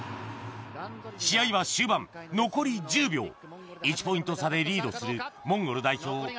試合は終盤残り１０秒１ポイント差でリードするモンゴル代表